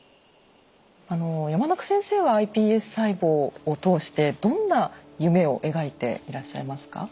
山中先生はｉＰＳ細胞を通してどんな夢を描いていらっしゃいますか？